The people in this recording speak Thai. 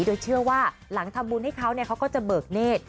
โดยเชื่อว่าหลังทำบุญให้เขาเขาก็จะเบิกเนธ